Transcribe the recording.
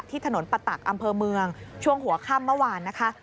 ถนนปะตักอำเภอเมืองช่วงหัวค่ำเมื่อวานนะคะ